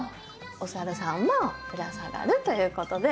おさるさんもぶら下がるということで。